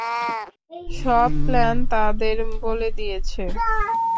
সব প্ল্যান তাদের বলে দিয়েছে।